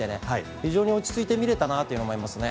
非常に落ち着いて見れたなという思いますね。